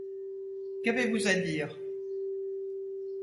Qu’avez-vous à dire?